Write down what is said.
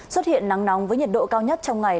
xuất hiện nắng nóng với nhiệt độ cao nhất trong ngày